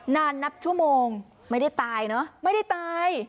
นานนับชั่วโมงไม่ได้ตายเนอะไม่ได้ตาย